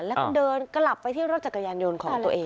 แล้วก็เดินกลับไปที่รถจักรยานยนต์ของตัวเอง